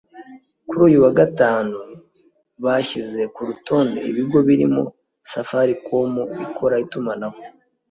kuri uyu wa Gatanu bashyize ku rutonde ibigo birimo Safaricom ikora itumanaho